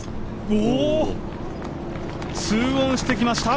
２オンしてきました！